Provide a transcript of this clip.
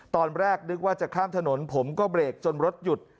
ตอนแรกนึกว่าจะข้ามถนนผมก็เบรกจนรถหยุด